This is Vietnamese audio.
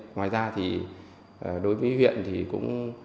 ngoài ra thì đối với huyện thì cũng